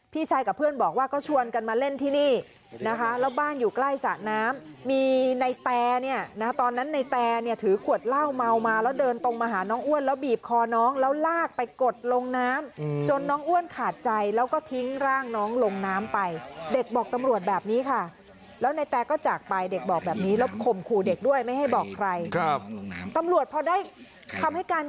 พี่ชายกับเพื่อนบอกว่าก็ชวนกันมาเล่นที่นี่นะคะแล้วบ้านอยู่ใกล้สระน้ำมีในแตเนี่ยนะตอนนั้นในแตเนี่ยถือขวดเหล้าเมามาแล้วเดินตรงมาหาน้องอ้วนแล้วบีบคอน้องแล้วลากไปกดลงน้ำจนน้องอ้วนขาดใจแล้วก็ทิ้งร่างน้องลงน้ำไปเด็กบอกตำรวจแบบนี้ค่ะแล้วในแตก็จากไปเด็กบอกแบบนี้แล้วข่มขู่เด็กด้วยไม่ให้บอกใครครับตำรวจพอได้คำให้การ